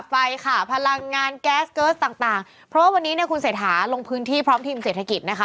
ไฟค่ะพลังงานแก๊สเกิร์สต่างต่างเพราะว่าวันนี้เนี่ยคุณเศรษฐาลงพื้นที่พร้อมทีมเศรษฐกิจนะคะ